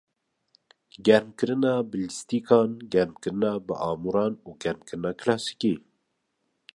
Germkirina bi lîstikan, germkirina bi amûran û germkirina kilasîkî.